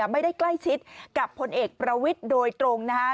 ไม่ได้ใกล้ชิดกับพลเอกประวิทย์โดยตรงนะคะ